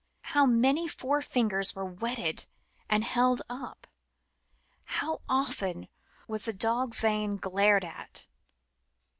How many forefingers were wetted and held up ? How ofte^ was the dog vane glared at